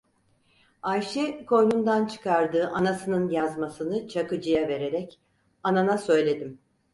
Ayşe, koynundan çıkardığı anasının yazmasını Çakıcı'ya vererek: - Anana söyledim.